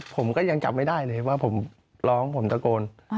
ผมก็ยังจับไม่ได้เลยว่าผมร้องผมตะโกน